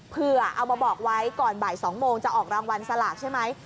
เพื่อเอามาบอกไว้ก่อนบ่าย๒โมงจะออกรางวัลสลากใช่ไหม